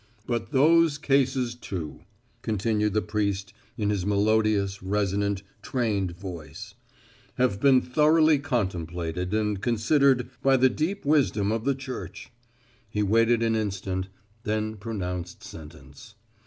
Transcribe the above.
"But those cases, too," continued the priest in his melodious, resonant, trained voice, "have been thoroughly contemplated and considered by the deep wisdom of the Church." He waited an instant, then pronounced sentence.